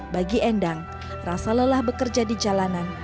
bagi endang rasa lelah bekerja di jalanan